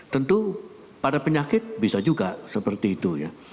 tentu pada penyakit bisa juga seperti itu ya